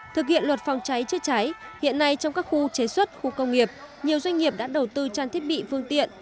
thực hiện luật phòng cháy chữa cháy hiện nay trong các khu chế xuất khu công nghiệp nhiều doanh nghiệp đã đầu tư trang thiết bị phương tiện